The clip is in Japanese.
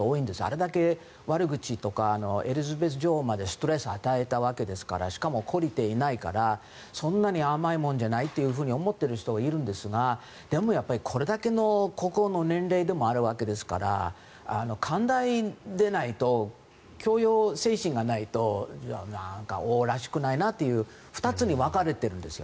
あれだけ悪口とかエリザベス女王にまでストレスを与えたわけですからしかも、懲りていないからそんなに甘いものじゃないと思っている人がいるんですがでもこれだけの国王の年齢でもあるわけですから寛大でないと許容精神がないとなんか、王らしくないなと２つに分かれてるんです。